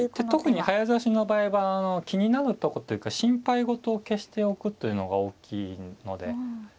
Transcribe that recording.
特に早指しの場合は気になるとこっていうか心配事を消しておくというのが大きいので。